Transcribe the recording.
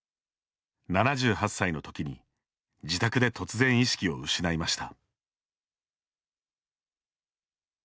７８歳の時に自宅で突然意識を失いました。